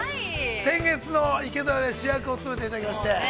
先月の「イケドラ」で主役を務めていただきまして。